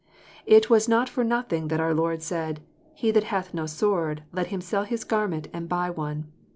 It was not for nothing that our Lord said, "He that hath no sword, let him sell his garment and buy one."